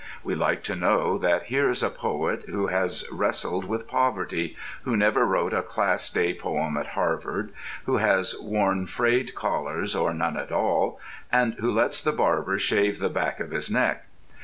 We like to know that here is a poet who has wrestled with poverty, who never wrote a Class Day poem at Harvard, who has worn frayed collars or none at all, and who lets the barber shave the back of his neck.